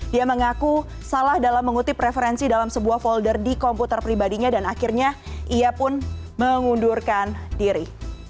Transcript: dia mengaku salah dalam mengutip referensi dalam sebuah folder di komputer pribadinya dan akhirnya ia pun mengundurkan diri